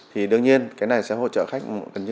thì đương nhiên cái này sẽ hỗ trợ khách